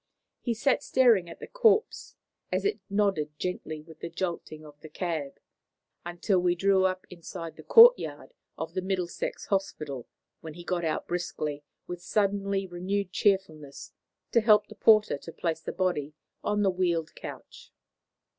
He sat staring at the corpse, as it nodded gently with the jolting of the cab, until we drew up inside the courtyard of the Middlesex Hospital, when he got out briskly, with suddenly renewed cheerfulness, to help the porter to place the body on the wheeled couch.